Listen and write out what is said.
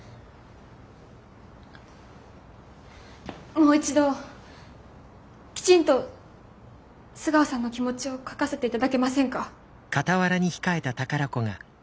もう一度きちんと須川さんの気持ちを書かせて頂けませんか？